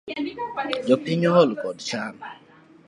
Jopiny ohol kod chan